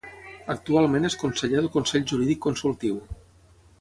Actualment és conseller del Consell Jurídic Consultiu.